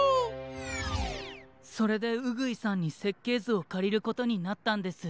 それでうぐいさんにせっけいずをかりることになったんです。